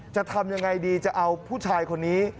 จะทำยังไงดีจะเอาผู้ชายคนนี้